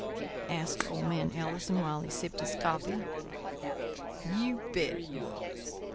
asked old man Ellison, while he sipped his coffee. "You bet it was.